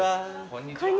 こんにちは。